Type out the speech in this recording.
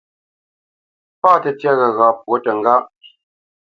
Pâ tə́tyá ghəgha pwǒ təŋgáʼ.